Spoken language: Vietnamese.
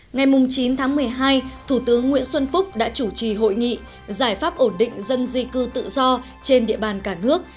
ngày chín tháng một mươi hai thủ tướng nguyễn xuân phúc đã chủ trì hội nghị giải pháp ổn định dân di cư tự do trên địa bàn cả nước